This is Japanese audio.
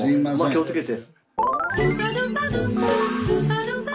気をつけて。